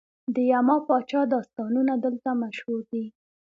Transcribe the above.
د یما پاچا داستانونه دلته مشهور دي